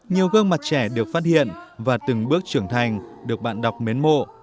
nhiều gương mặt trẻ được phát hiện và từng bước trưởng thành được bạn đọc mến mộ